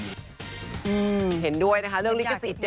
เห็นด้วยนะคะเรื่องลิขสิทธิ์